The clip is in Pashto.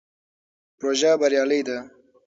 پروژه بریالۍ ده.